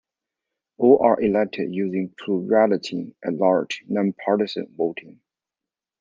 All are elected using plurality at-large non-partisan voting.